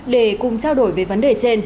để cùng trao đổi về vấn đề trên